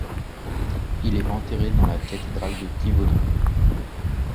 Il est enterré dans la cathédrale de Tivoli.